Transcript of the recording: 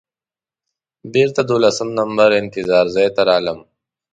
بېرته دولسم نمبر انتظار ځای ته راغلم.